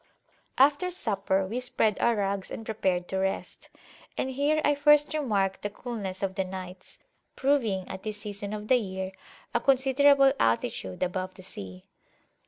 After supper we spread our rugs and prepared to rest. And here I first remarked the coolness of the nights, proving, at this season of the year, a considerable altitude above the sea.